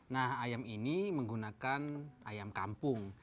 nah ayam ini menggunakan ayam kampung